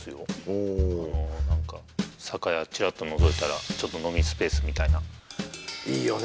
ほおあの何か酒屋ちらっとのぞいたらちょっと飲みスペースみたいないいよね